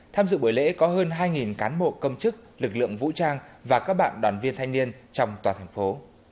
tham dự buổi lễ có hơn hai cán bộ công chức lực lượng vũ trang và các bạn đoàn viên thanh niên trong toàn thành phố